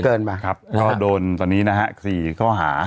เกินป่ะอ๋อล่าวโดนสดีนะฮะ๔ข้อหา